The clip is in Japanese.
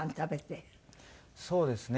そうですね。